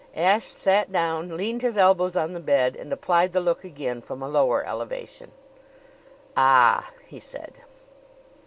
Ashe sat down, leaned his elbows on the bed, and applied the look again from a lower elevation. "Ah!" he said.